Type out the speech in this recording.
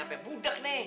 sampai budak nih